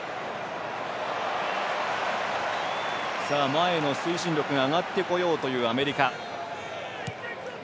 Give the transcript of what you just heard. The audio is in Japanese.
前の推進力が上がってこようというアメリカ。